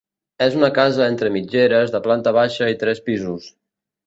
És una casa entre mitgeres de planta baixa i tres pisos.